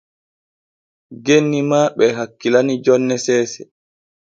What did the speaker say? Genni ma ɓe e hakkilani jonne seese.